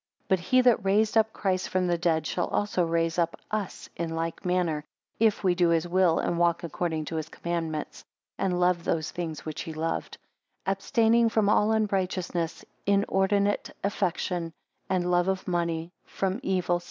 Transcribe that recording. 8 But he that raised up Christ from the dead, shall also raise up us in like manner, if we do his will, and walk according to his commandments; and love those things which he loved: 9 Abstaining from all unrighteousness; inordinate affection, and love of money; from evil.